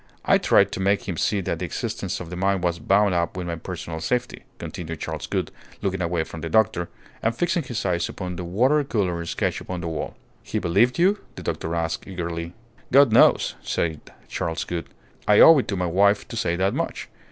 "I tried to make him see that the existence of the mine was bound up with my personal safety," continued Charles Gould, looking away from the doctor, and fixing his eyes upon the water colour sketch upon the wall. "He believed you?" the doctor asked, eagerly. "God knows!" said Charles Gould. "I owed it to my wife to say that much.